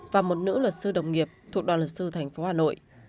và một nữ luật sư đồng nghiệp thuộc đoàn luật sư tp hà nội